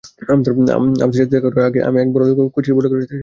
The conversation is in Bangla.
অ্যামোসের সাথে দেখা করার আগে আমি এক বড়লোক কুৎসিত বুটলেগারের সাথে প্রেম করতাম।